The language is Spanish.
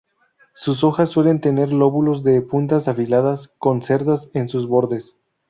Sus hojas suelen tener lóbulos de puntas afiladas, con cerdas en sus bordes.